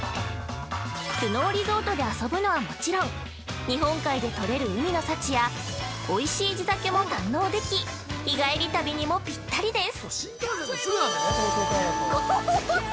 スノーリゾートで遊ぶのはもちろん、日本海で取れる海の幸やおいしい地酒も堪能でき、日帰り旅にもぴったりです。